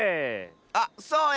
あっそうや！